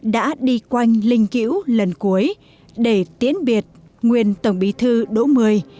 đã đi quanh linh cữu lần cuối để tiến biệt nguyên tổng bí thư đỗ mười